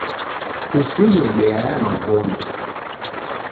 Kusighe beya ya magome